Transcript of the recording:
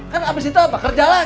kan abis itu apa kerja lagi kan